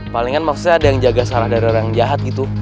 palingan maksudnya ada yang jaga sarah dari orang jahat gitu